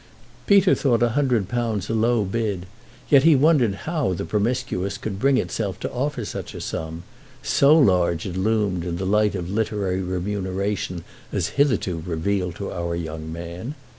Peter thought a hundred pounds a low bid, yet he wondered how the Promiscuous could bring itself to offer such a sum—so large it loomed in the light of literary remuneration as hitherto revealed to our young man.